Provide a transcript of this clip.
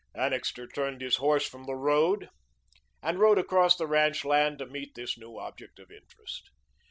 Annixter turned his horse from the road and rode across the ranch land to meet this new object of interest.